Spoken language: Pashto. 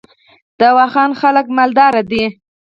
د واخان خلک مالدار دي